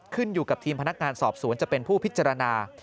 ขึ้นอยู่กับทีมพนักงานสอบสวนจะเป็นผู้พิจารณา